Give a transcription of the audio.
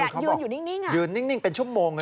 ยืนอยู่นิ่งอะคือว่าคือเขาบอกยืนนิ่งเป็นชั่วโมง